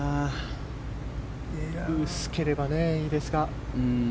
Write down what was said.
薄ければいいですが。